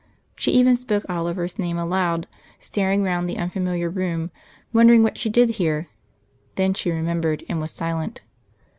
She even spoke Oliver's name aloud, staring round the unfamiliar room, wondering what she did here. Then she remembered, and was silent....